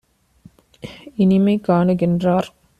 இனிமை காணுகின்றார்